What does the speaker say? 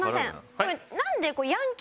これ。